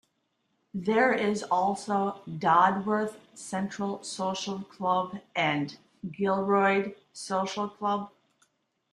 There is also Dodworth Central Social Club and Gilroyd Social Club.